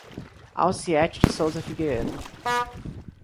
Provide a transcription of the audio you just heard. Alciete de Souza Figueiredo